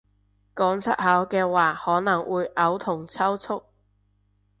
講出口嘅話可能會嘔同抽搐